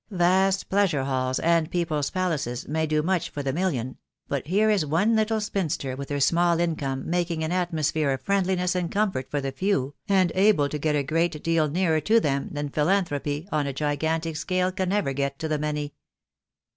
Vast Pleasure Halls and People's Palaces may do much for the million; but here was one little spinster with her small income making an atmosphere of friendliness and comfort for the few, and able to get a great deal nearer to them than Philanthropy on a gigantic scale can ever get to the many.